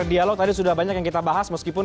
dialog tadi sudah banyak yang kita bahas meskipun